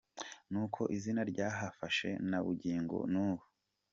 Nuko izina ryahafashe na bugingo n’ubu.